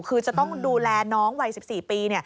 คือจะต้องดูแลน้องวัย๑๔ปี